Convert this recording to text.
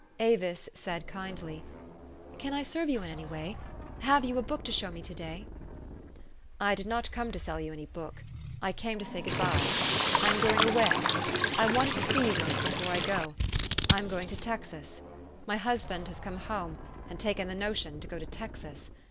Avis said kindly, " Can I serve you in any way? Have you a book to show me to day? " 44 1 did not come to sell you any book. I came to say good by. I am going away. I wanted to see you once before I go. I am going to Texas. My husband has come home, and taken the notion to go to Texas.